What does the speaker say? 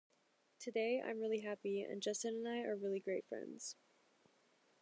Today, I'm really happy, and Justin and I are really great friends.